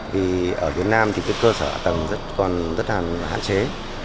vì ở việt nam thì cái cơ sở tầng còn rất là hạn chế